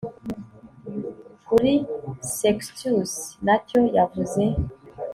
Kuri Sextus ntacyo yavuze